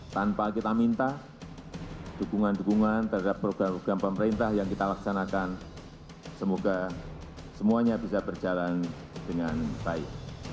tanpa kita minta dukungan dukungan terhadap program program pemerintah yang kita laksanakan semoga semuanya bisa berjalan dengan baik